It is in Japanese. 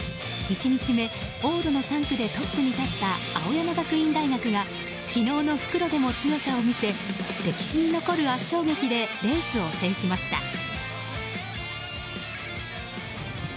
１日目、往路の３区でトップに立った青山学院大学が昨日の復路でも強さを見せ歴史に残る圧勝劇でレースを制しました。